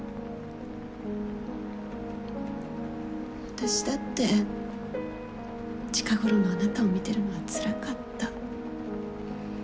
私だって近頃のあなたを見てるのはつらかった。